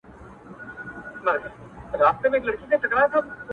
خپل دې يمه گرانه خو پردی نه يمه!!